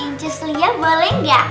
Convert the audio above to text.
incus lia boleh nggak